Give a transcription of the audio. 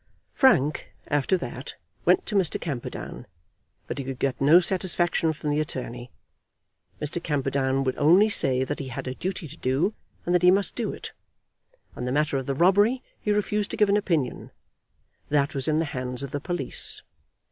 Frank, after that, went to Mr. Camperdown, but he could get no satisfaction from the attorney. Mr. Camperdown would only say that he had a duty to do, and that he must do it. On the matter of the robbery he refused to give an opinion. That was in the hands of the police.